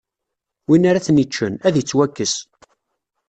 Win ara ten-iččen, ad ittwakkes.